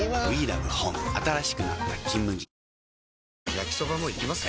焼きソバもいきます？